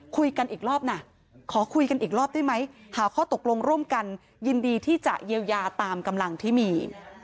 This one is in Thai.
คุยกันอีกรอบนะขอคุยกันอีกรอบได้ไหมหาข้อตกลงร่วมกันยินดีที่จะเยียวยาตามกำลังที่มี